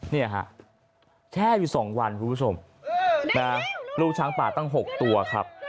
เนี่ยฮะแช่อยู่๒วันคุณผู้ชมนะลูกช้างป่าตั้ง๖ตัวครับ